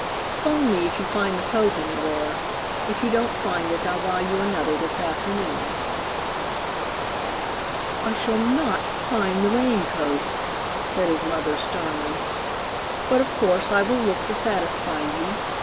'Phone me if you find the coat anywhere. If you don't find it, I'll buy you another this afternoon." "I shall not find the rain coat," said his mother sternly, "but of course I will look to satisfy you.